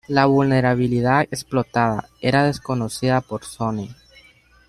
La vulnerabilidad explotada, era desconocida por Sony.